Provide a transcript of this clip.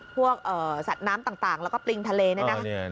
พวกสัตว์น้ำต่างแล้วก็ปริงทะเลเนี่ยนะ